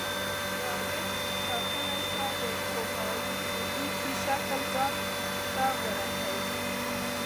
جامد ټاکلی شکل لري خو مایع د لوښي شکل ځان ته غوره کوي